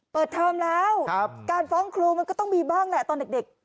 เทอมแล้วการฟ้องครูมันก็ต้องมีบ้างแหละตอนเด็ก